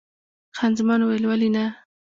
خان زمان وویل: ولې نه؟